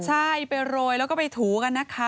ใช่ไปโรยแล้วก็ไปถูกันนะคะ